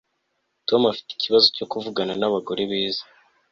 Tom afite ikibazo cyo kuvugana nabagore beza